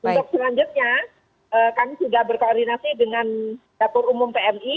untuk selanjutnya kami sudah berkoordinasi dengan dapur umum pmi